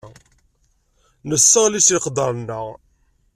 Nesseɣli s leqder-nneɣ.